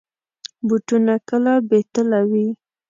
بوټونه کله بې تله وي.